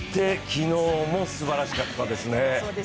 昨日もすばらしかったですね。